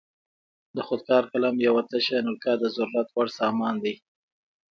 د خود کار قلم یوه تشه نلکه د ضرورت وړ سامان دی.